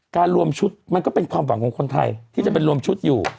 รวมชุดมันก็เป็นความหวังของคนไทยที่จะไปรวมชุดอยู่